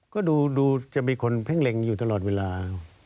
ก็ดูจะมีคนเพ่งเล็งอยู่ตลอดเวลา